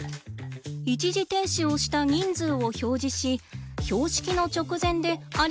一時停止をした人数を表示し標識の直前で「ありがとう」と伝える作戦です。